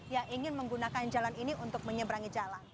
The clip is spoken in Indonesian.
yang ingin menggunakan jalan ini untuk menyeberangi jalan